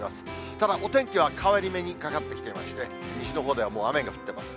ただ、お天気は変わり目にかかってきていまして、西のほうでは、もう雨が降ってます。